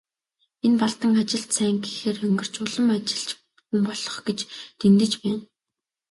Энэ Балдан ажилд сайн гэхээр онгирч, улам ажилч хүн болох гэж дэндэж байна.